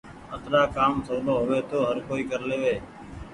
اترآ ڪآم سولو هووي تو هر ڪو ڪر ليوي۔